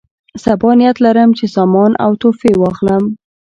صبا نیت لرم چې سامان او تحفې واخلم.